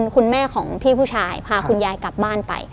คุณแม่ของพี่ผู้ชายพาคุณยายกลับบ้านไป